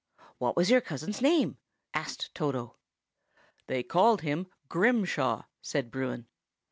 "What was your cousin's name?" asked Toto. "They called him 'Grimshaw;'" said Bruin.